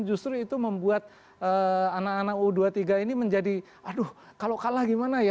justru itu membuat anak anak u dua puluh tiga ini menjadi aduh kalau kalah gimana ya